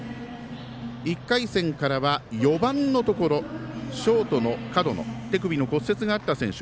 １回戦からは４番のところショートの門野手首の骨折があった選手。